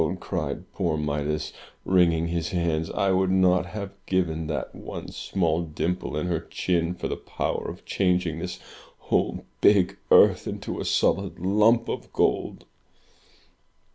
'* cried poor Midas, wringing his hands. I would not have given that one small dimple in her chin for the power of changing this whole big earth into a solid lump of gold!''